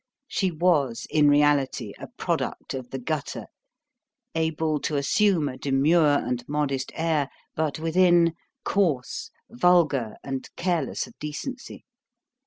She was in reality a product of the gutter, able to assume a demure and modest air, but within coarse, vulgar, and careless of decency.